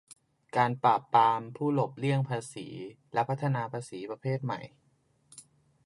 การปราบปรามผู้หลบเลี่ยงภาษี และการพัฒนาภาษีประเภทใหม่